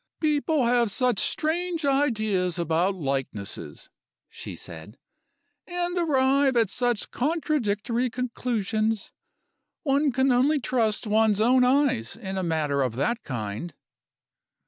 'People have such strange ideas about likenesses,' she said, 'and arrive at such contradictory conclusions. One can only trust one's own eyes in a matter of that kind.